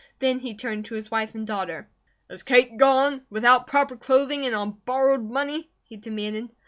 Then he turned to his wife and daughter. "Is Kate gone? Without proper clothing and on borrowed money," he demanded.